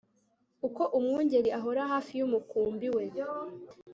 uko umwungeri ahora hafi y'umukumbi we